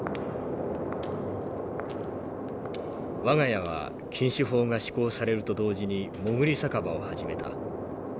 「我が家は禁酒法が施行されると同時にもぐり酒場を始めた。